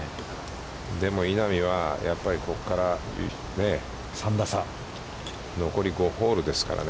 でも、稲見は、やっぱりここから残り５ホールですからね。